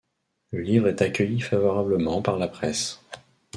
Le livre est accueilli favorablement par la presse.